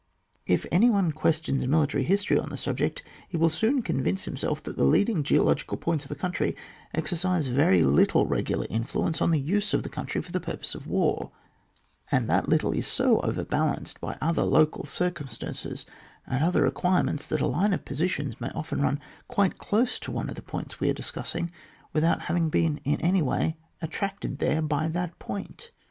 If any one questions military history on the subject, he will soon con vince liimseK that the leading geological points of a country exercise very little regular influence on the use of the country for the purposes of war, and that little is so over balanced by other local circumstances, and other require ments, that a line of positions may often run quite close to one of the points we are discussing without having been in any way attracted there by that point.